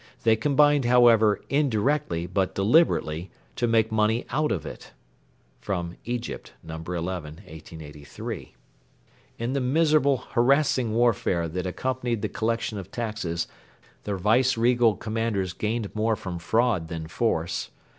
They combined, however, indirectly but deliberately, to make money out of it. [EGYPT, No.11, 1883.] In the miserable, harassing warfare that accompanied the collection of taxes the Viceregal commanders gained more from fraud than force.